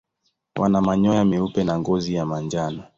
Wana manyoya meupe na ngozi ya manjano.